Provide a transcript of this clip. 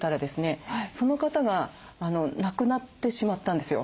その方が亡くなってしまったんですよ。